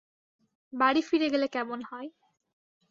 বাড়ি ফিরে গেলে কেমন হয়?